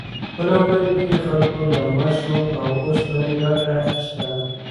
په لومړیو کې خلکو له مسو او اوسپنې ګټه اخیسته.